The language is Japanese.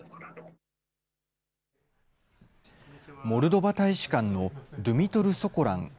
モルドバ大使館のドゥミトル・ソコラン